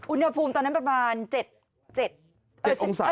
อุณหภูมิตอนนั้นประมาณ๗๗องศา